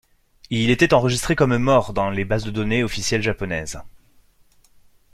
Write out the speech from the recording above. Il était enregistré comme mort dans les bases de données officielles japonaises.